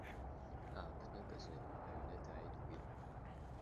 Ааԥнык азы аҩны дааит уи.